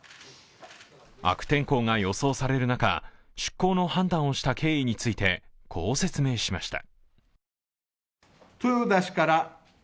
悪天候が予想される中、出港の判断をした経緯についてこう説明しました。